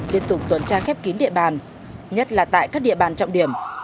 liên tục tuần tra khép kín địa bàn nhất là tại các địa bàn trọng điểm